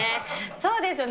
そうですよね。